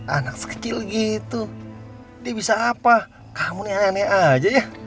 anak kecil gitu dia bisa apa kamu nih aneh aja ya